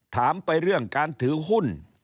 ถามไปเรื่องการถือหุ้น